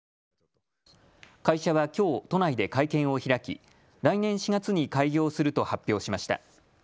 会社はきょう、都内で会見を開き、来年４月に開業すると発表しました。